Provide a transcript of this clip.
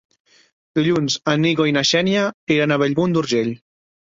Dilluns en Nico i na Xènia iran a Bellmunt d'Urgell.